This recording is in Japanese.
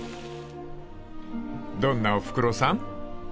［どんなおふくろさん？］